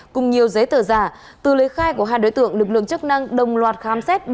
cùng nhiều giấy tờ giả từ lấy khai của hai đối tượng lực lượng chức năng đồng loạt khám xét